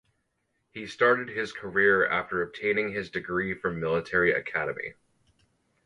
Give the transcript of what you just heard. He started his career after obtaining his degree from Military Academy.